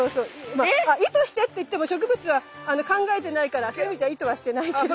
まあ意図してって言っても植物は考えてないからそういう意味じゃ意図はしてないけど。